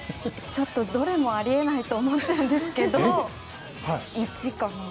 ちょっと、どれもあり得ないと思うんですけど。